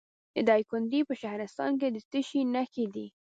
د دایکنډي په شهرستان کې د څه شي نښې دي؟